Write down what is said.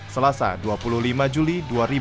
selasa dua puluh lima juli dua ribu dua puluh